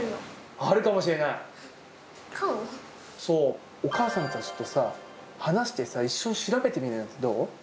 そう、お母さんたちとさ、話して一緒に調べてみるのってどう？